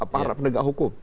para penegak hukum